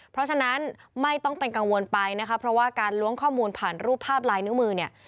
เพราะฉะนั้นไม่ต้องเป็นกังวลไปนะคะเพราะว่าการล้วงข้อมูลผ่านรูปภาพลายนิ้วมือเนี่ย